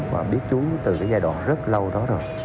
và biết chúng từ cái giai đoạn rất lâu đó rồi